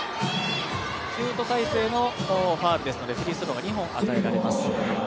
シュート体勢のファウルですのでフリースローが２本、与えられます